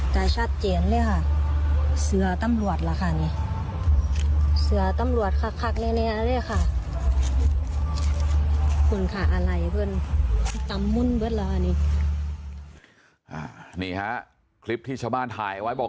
ตามมุ่นเวลานี้นี่ฮะคลิปที่ชาวบ้านถ่ายไว้บอก